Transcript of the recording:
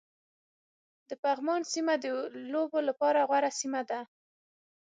د پغمان سيمه د لوبو لپاره غوره سيمه ده